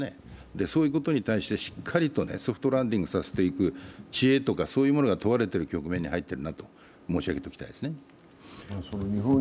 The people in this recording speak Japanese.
そういうことに対してしっかりとソフトランディングしていく知恵とかそういうものが問われていると申し上げておきたいです。